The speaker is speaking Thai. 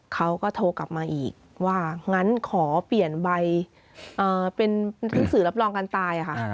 เขาก็โทรกลับมาอีกว่างั้นขอเปลี่ยนใบเป็นหนังสือรับรองการตายค่ะ